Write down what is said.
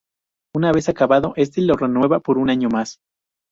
Una vez acabado este, lo renueva por un año más.